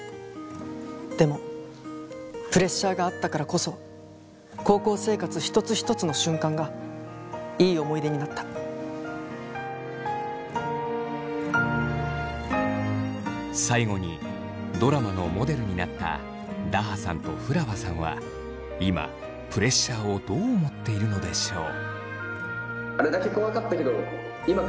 でもプレッシャーがあったからこそ高校生活一つ一つの瞬間がいい思い出になった最後にドラマのモデルになっただはさんとふらわさんは今プレッシャーをどう思っているのでしょう。